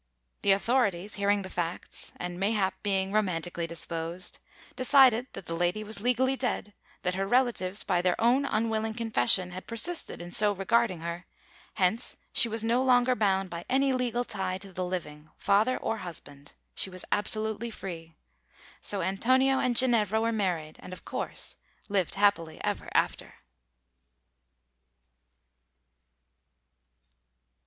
The authorities hearing the facts and mayhap being romantically disposed decided that the lady was legally dead, that her relatives, by their own unwilling confession, had persisted in so regarding her; hence, she was no longer bound by any legal tie to the living, father or husband! She was absolutely free! So Antonio and Ginevra were married, and of course, "lived happily ever after."